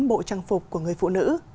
bộ trang phục của người phụ nữ